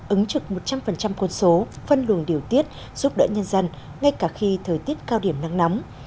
ứng trực một trăm linh quân số phân luồng điều tiết giúp đỡ nhân dân ngay cả khi thời tiết cao điểm nắng nóng